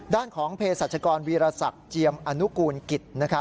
ด้านของเพศรัชกรวีรศักดิ์เจียมอนุกูลกิจ